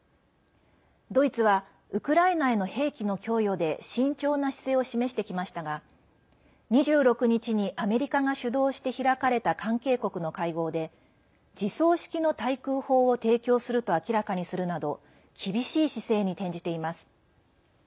ドイツはウクライナへの兵器の供与で慎重な姿勢を示してきましたが２６日にアメリカが主導して開かれた関係国の会合で自走式の対空砲を提供すると明らかにするなど厳しい姿勢に転じています。